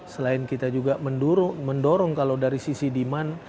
selain kita juga mendorong kalau dari sisi demand